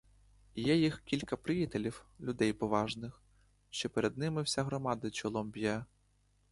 Є їх кілька приятелів, людей поважних, що перед ними вся громада чолом б'є.